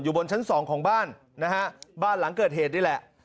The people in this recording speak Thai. บนชั้นสองของบ้านนะฮะบ้านหลังเกิดเหตุนี่แหละ